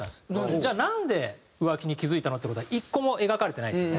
じゃあなんで浮気に気付いたの？っていう事が１個も描かれてないんですよね